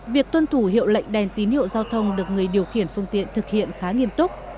việc tuân thủ hiệu lệnh đèn tín hiệu giao thông được người điều khiển phương tiện thực hiện khá nghiêm túc